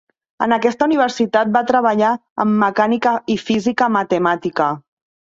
En aquesta universitat va treballar en mecànica i física matemàtica.